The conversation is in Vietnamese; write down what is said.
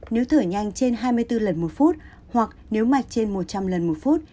nếu thử nhanh trên hai mươi bốn lần một phút hoặc nếu mạch trên một trăm linh lần một phút